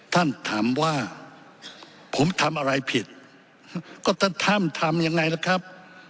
ท่านถามว่าผมทำอะไรผิดก็ท่านทำยังไงล่ะครับ